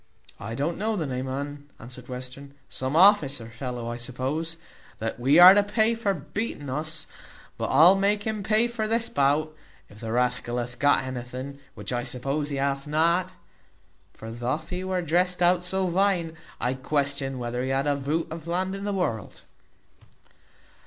"I don't know the name o' un," answered Western; "some officer fellow, I suppose, that we are to pay for beating us; but I'll make him pay this bout, if the rascal hath got anything, which I suppose he hath not. For thof he was drest out so vine, I question whether he had got a voot of land in the world."